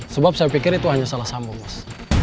sebab saya pikir itu hanya salah sambung mas